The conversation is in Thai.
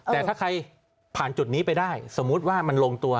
แต่ถ้าใครผ่านจุดนี้ไปได้สมมุติว่ามันลงตัว